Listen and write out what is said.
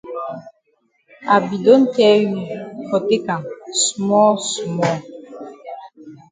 I be don tell you for take am small small.